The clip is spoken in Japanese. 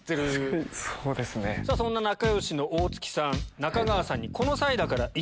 そんな仲良しの大朏さん中川さんに。